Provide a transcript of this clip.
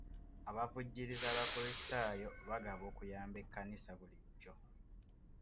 Abavvujjirizi abakulisitaayo bagaba okuyamba ekkanisa bulijjo.